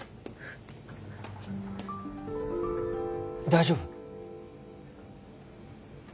大丈夫？